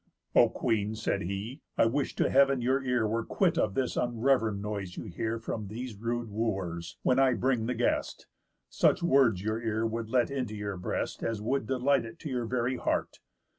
"O Queen," said he, "I wish to heav'n your ear Were quit of this unrev'rend noise you hear From these rude Wooers, when I bring the guest; Such words your ear would let into your breast As would delight it to your very heart.